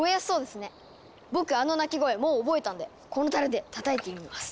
僕あの鳴き声もう覚えたんでこのたるでたたいてみます。